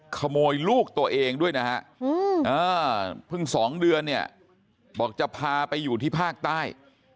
ขโมยลูกตัวเองด้วยนะฮะเพิ่ง๒เดือนเนี่ยบอกจะพาไปอยู่ที่ภาคใต้